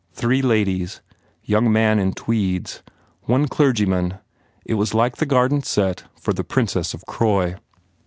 Three ladies. Young man in tweeds. One clergyman. It was like the garden set for the "Princess of Croy."